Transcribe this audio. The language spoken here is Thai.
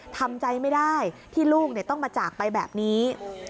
ทำใจไม่ได้ที่ลูกต้องมาจากไปแบบนี้